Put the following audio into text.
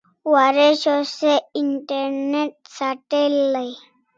Waresho se internet s'atel dai